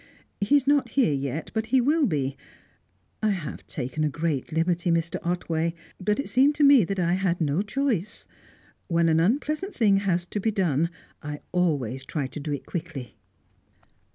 He is not here yet, but he will be I have taken a great liberty, Mr. Otway; but it seemed to me that I had no choice. When an unpleasant thing has to be done, I always try to do it quickly."